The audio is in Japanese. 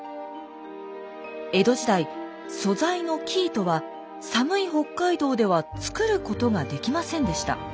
江戸時代素材の生糸は寒い北海道では作ることができませんでした。